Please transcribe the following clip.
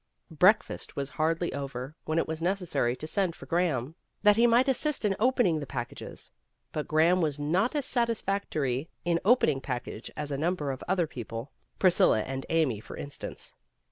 Breakfast was hardly over when it was necessary to send for Graham, that he might assist in opening the packages. But Graham was not as satisfactory in opening packages as a number of other people, Priscilla and Amy, for instance.